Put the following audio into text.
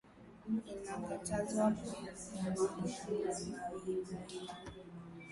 Ina katazwa ku paluria pa maibwe